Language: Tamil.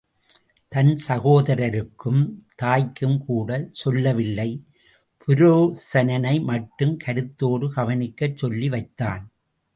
தன் சகோதரருக்கும் தாய்க்கும் கூடச் சொல்லவில்லை, புரோசனனை மட்டும் கருத்தோடு கவனிக்கச் சொல்லி வைத்தான்.